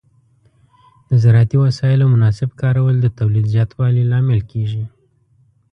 د زراعتي وسایلو مناسب کارول د تولید زیاتوالي لامل کېږي.